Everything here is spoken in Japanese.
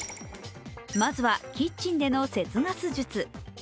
まずはキッチンでの節ガス術。